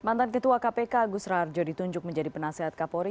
mantan ketua kpk agus rarjo ditunjuk menjadi penasehat kapolri